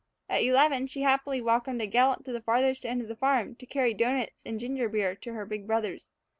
At eleven she happily welcomed a gallop to the farthest end of the farm to carry doughnuts and ginger beer to the big brothers.